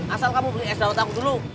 asal kamu beli es bawang tangguh dulu